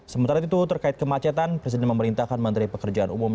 sementara itu terkait kemacetan presiden memerintahkan menteri pekerjaan umum